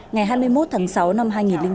ngày hai mươi một tháng sáu năm hai nghìn bốn